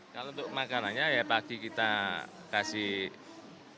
kalau untuk makanannya ya pagi kita kasih